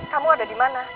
kamu ada di mana